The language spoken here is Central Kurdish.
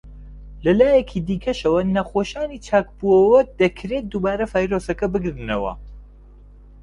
لە لایەکی دیکەشەوە، نەخۆشانی چاکبووەوە دەکرێت دووبارە ڤایرۆسەکە بگرنەوە.